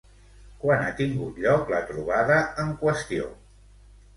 Quan ha tingut lloc la trobada en qüestió?